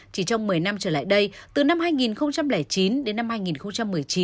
chỉ trong một mươi năm trở lại đây từ năm hai nghìn chín đến năm hai nghìn một mươi chín